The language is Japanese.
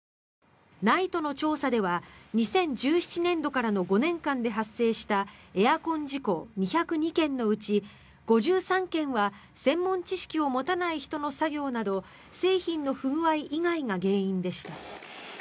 ＮＩＴＥの調査では２０１７年度からの５年間で発生したエアコン事故２０２件のうち５３件は専門知識を持たない人の作業など製品の不具合以外が原因でした。